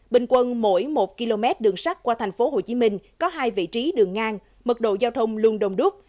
bình quân mỗi một km đường sắt qua thành phố hồ chí minh có hai vị trí đường ngang mức độ giao thông luôn đông đúc